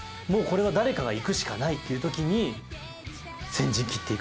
もうこれは誰かが行くしかないっていう時に。